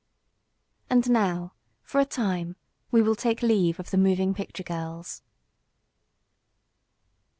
And now, for a time, we will take leave of the Moving Picture Girls.